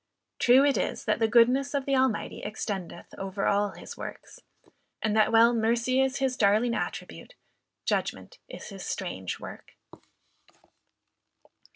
True it is that the goodness of the Almighty extendeth over all his works, and that while 'Mercy is his darling attribute,' 'Judgment is his strange work.'